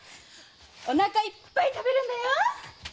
おなかいっぱい食べるんだよ！